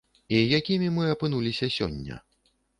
І якімі мы апынуліся сёння?